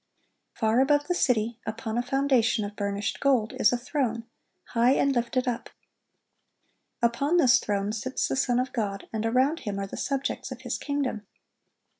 Far above the city, upon a foundation of burnished gold, is a throne, high and lifted up. Upon this throne sits the Son of God, and around Him are the subjects of His kingdom.